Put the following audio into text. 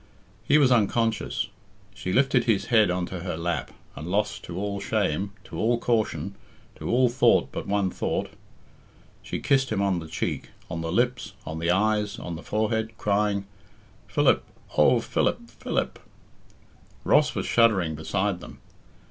He was unconscious. She lifted his head on to her lap, and, lost to all shame, to all caution, to all thought but one thought, she kissed him on the cheek, on the lips, on the eyes, on the forehead, crying, "Philip! oh, Philip, Philip!" Ross was shuddering beside them.